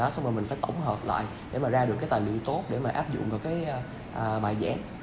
xong rồi mình phải tổng hợp lại để mà ra được cái tài liệu tốt để mà áp dụng vào cái bài giảng